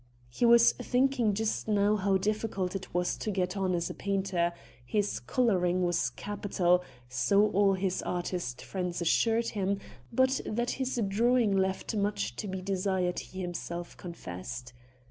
He was thinking just now how difficult it was to get on as a painter; his coloring was capital so all his artist friends assured him; but that his drawing left much to be desired he himself confessed.